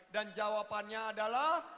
dan jawabannya adalah